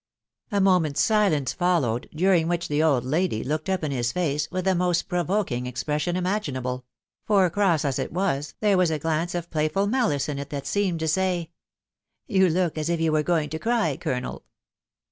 A moment's silence followed, during which the old lady looked up in his face with the most provoking expression imaginable ; for cross as it was, there was a glance of playful malice in it that seemed to say, —" You look as if you were going to cry, colonel."